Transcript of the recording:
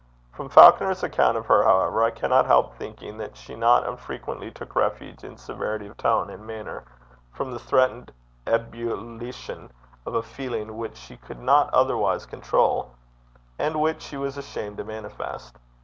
From Falconer's account of her, however, I cannot help thinking that she not unfrequently took refuge in severity of tone and manner from the threatened ebullition of a feeling which she could not otherwise control, and which she was ashamed to manifest.